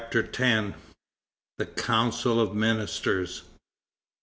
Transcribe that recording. X. THE COUNCIL OF MINISTERS.